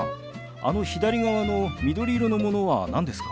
あの左側の緑色のものは何ですか？